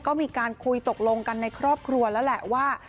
ก็มีการคุยตกลงกันในครอบครัวแล้วแหละว่า